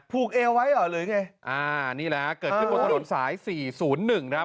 พูกเอวไว้หรอเลยนะนี่ล่ะเกิดขึ้นบนถนนสาย๔๐๑นะครับ